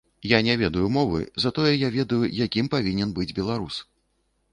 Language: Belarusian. Я не ведаю мовы, затое я ведаю, якім павінен быць беларус.